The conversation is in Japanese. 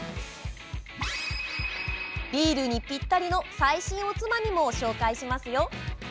ビールにぴったりの最新おつまみも紹介しますよ。